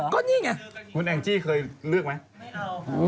คุณแองจี่เคยเลือกไหม